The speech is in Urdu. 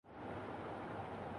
یہ سوٹ کتنے کا خریدا ہے؟